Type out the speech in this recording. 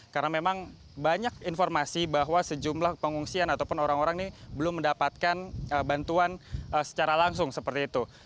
karena memang banyak informasi bahwa sejumlah pengungsian ataupun orang orang ini belum mendapatkan bantuan secara langsung seperti itu